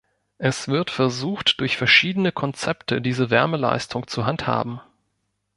Es wird versucht, durch verschiedene Konzepte diese Wärmeleistung zu handhaben.